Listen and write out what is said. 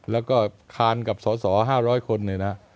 แล้วก็คานกับสส๕๐๐คนเนี่ยนะ